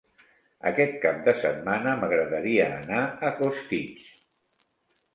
Aquest cap de setmana m'agradaria anar a Costitx.